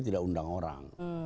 tidak undang orang